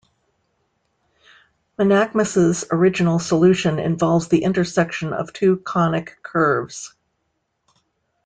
Menaechmus' original solution involves the intersection of two conic curves.